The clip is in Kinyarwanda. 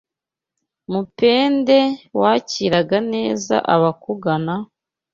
Mupende wakiraga neza abakugana,